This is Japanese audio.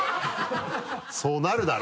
そうなるだろ？